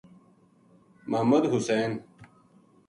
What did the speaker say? محمد حسین